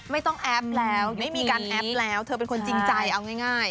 ไม่ต้องแอปแล้วไม่มีการแอปแล้วเธอเป็นคนจริงใจเอาง่าย